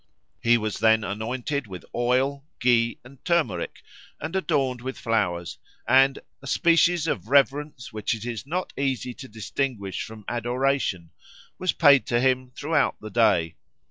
He was then anointed with oil, ghee, and turmeric, and adorned with flowers; and "a species of reverence, which it is not easy to distinguish from adoration," was paid to him throughout the day.